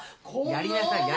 やりなさい。